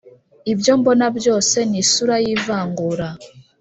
ibyo mbona byose ni isura y'ivangura